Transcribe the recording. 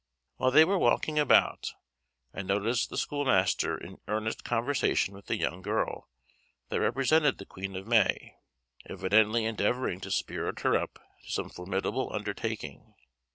While they were walking about, I noticed the schoolmaster in earnest conversation with the young girl that represented the Queen of May, evidently endeavouring to spirit her up to some formidable undertaking.